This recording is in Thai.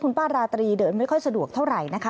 คุณป้าราตรีเดินไม่ค่อยสะดวกเท่าไหร่นะคะ